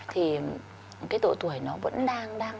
thì cái độ tuổi nó vẫn đang